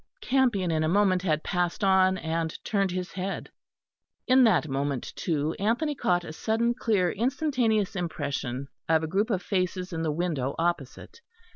Campion in a moment had passed on and turned his head. In that moment, too, Anthony caught a sudden clear instantaneous impression of a group of faces in the window opposite.